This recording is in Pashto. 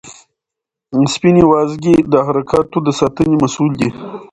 سپینې وازګې د حرکاتو د ساتنې مسؤل دي.